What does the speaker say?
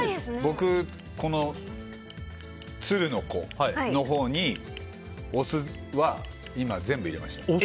僕、この鶴の子のほうにお酢は今、全部入れました。